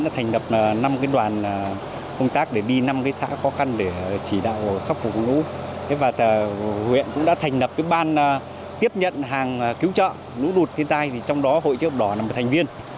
trong đó hội chia thập đỏ là một thành viên